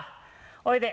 おいで。